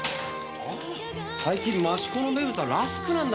最近益子の名物はラスクなんだ。